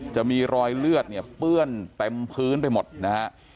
จะมีรอยเลือดเนี่ยเปื้อนเต็มพื้นไปหมดนะฮะ